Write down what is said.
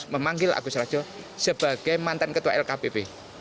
memanggil agus rajo sebagai mantan ketua lkpp